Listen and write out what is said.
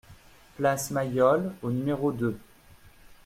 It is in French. Place Mayol au numéro deux